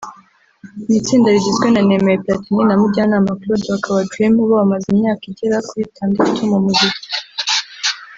ni itsinda rigizwe na Nemeye Platini na Mujyanama Claude bakaba Dream Bobamaze imyaka igera kuri itandatu mu muziki